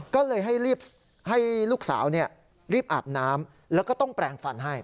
ก็เลยให้รีบให้ลูกสาวรีบอาบน้ำแล้วก็ต้องแปลงฟันให้